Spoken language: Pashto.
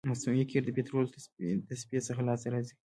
مصنوعي قیر د پطرولو د تصفیې څخه لاسته راځي